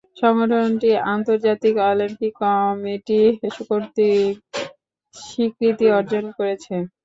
সংগঠনটি আন্তর্জাতিক Olympic committee কর্তৃক স্বীকৃতি অর্জন করেছে।